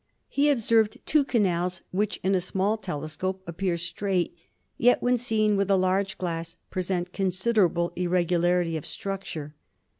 Pie observed two canals which in a small telescope appear straight, yet, when seen with a large glass, present considerable irregularity of structtfre.